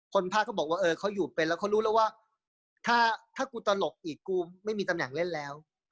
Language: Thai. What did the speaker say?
ภาคเขาบอกว่าเออเขาอยู่เป็นแล้วเขารู้แล้วว่าถ้ากูตลกอีกกูไม่มีตำแหน่งเล่นแล้ว